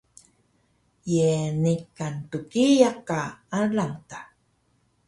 Ye niqan dgiyaq ka alang ta?